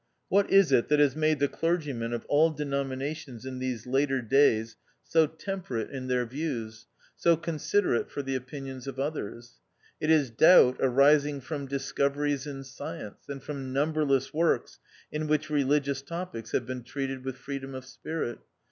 What is it that has made the clergymen of all denominations in these later days so tem perate in their views, so considerate for the opinions of others ? It is Doubt arising from discoveries in science, and from numberless works in which religious topics have been treated with freedom of spirit.